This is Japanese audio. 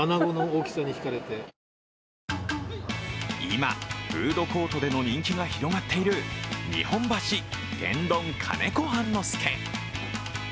今、フードコートでの人気が広がっている日本橋天丼金子半之助。